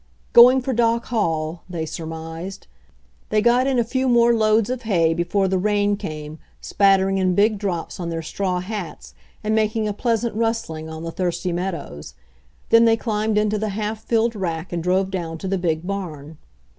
"Going for Doc Hall, ,, they surmised. They got in a few more loads of hay before the rain came, spattering in big drops on their straw hats and making a pleasant rustling on the thirsty meadows. Then they climbed into the half filled rack and drove down to the big barn.